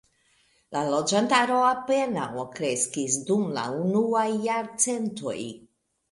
La loĝantaro apenaŭ kreskis dum la unuaj jarcentoj.